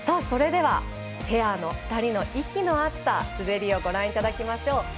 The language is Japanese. それでは、ペアの２人の息の合った滑りをご覧いただきましょう。